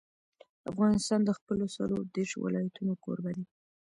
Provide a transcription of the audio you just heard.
افغانستان د خپلو څلور دېرش ولایتونو کوربه دی.